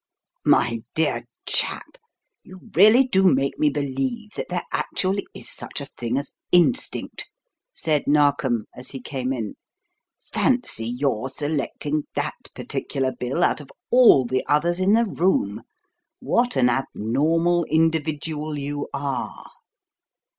"My dear chap, you really do make me believe that there actually is such a thing as instinct," said Narkom, as he came in. "Fancy your selecting that particular bill out of all the others in the room! What an abnormal individual you are!"